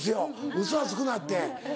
「ウソはつくな」って。